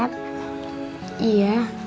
nanti ya nek